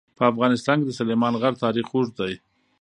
په افغانستان کې د سلیمان غر تاریخ اوږد دی.